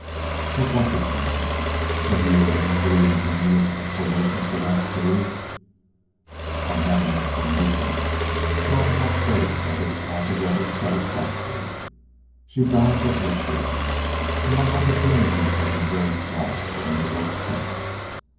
What was it then? Have you an equally ingenious explanation for that too?" "I have an explanation, but I cannot say that it is altogether satisfactory. She died but yesterday, and my opportunities have been small for any work since.